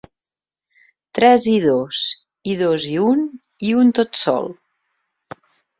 Tres i dos, i dos i un, i un tot sol”.